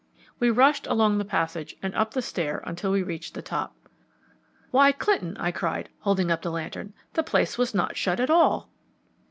We rushed along the passage and up the stair until we reached the top. "Why, Clinton," I cried, holding up the lantern, "the place was not shut at all."